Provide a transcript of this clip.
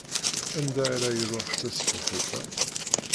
Anda ara iṛuḥ tasebḥit-a?